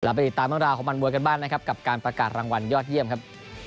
ไปติดตามเรื่องราวของมันมวยกันบ้างนะครับกับการประกาศรางวัลยอดเยี่ยมครับ